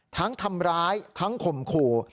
ทำร้ายทั้งข่มขู่